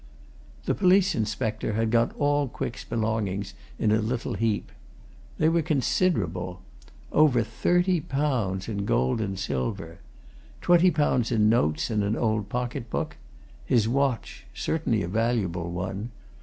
The police inspector had got all Quick's belongings in a little heap. They were considerable. Over thirty pounds in gold and silver. Twenty pounds in notes in an old pocket book. His watch certainly a valuable one.